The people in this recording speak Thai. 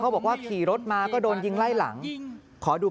เขาบอกว่ากำลังนอนอยู่ดีครับ